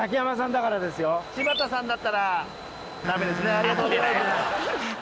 ありがとうございます。